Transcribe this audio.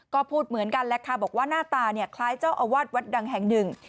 ก็พูดเหมือนกันแหละค่ะบอกว่าหน้าตาเนี่ยคล้ายเจ้าอาวาสวัดดังแห่งหนึ่ง